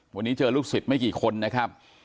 วันนี้เจอลูกศิษย์ไม่กี่คนนะครับ